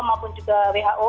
maupun juga who